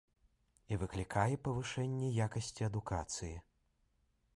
І выклікае павышэнне якасці адукацыі.